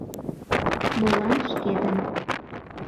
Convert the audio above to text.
— Молан шкетын.